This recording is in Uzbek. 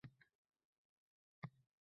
Ha, kirib ketaveraman, – dedi Sobirjon.